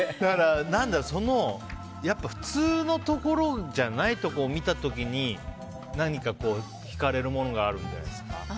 普通のところじゃないところを見た時に何か、引かれるものがあるんじゃないですか。